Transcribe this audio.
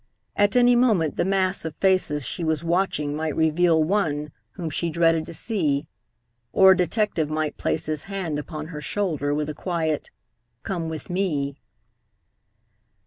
At any moment the mass of faces she was watching might reveal one whom she dreaded to see, or a detective might place his hand upon her shoulder with a quiet "Come with me."